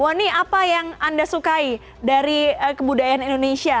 woni apa yang anda sukai dari kebudayaan indonesia